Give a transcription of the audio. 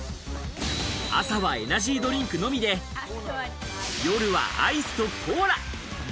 朝はエナジードリンクのみで、夜はアイスとコーラ。